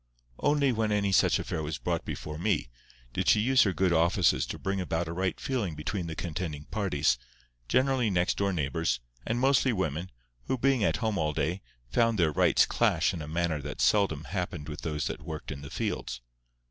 Only when any such affair was brought before me, did she use her good offices to bring about a right feeling between the contending parties, generally next door neighbours, and mostly women, who, being at home all day, found their rights clash in a manner that seldom happened with those that worked in the fields.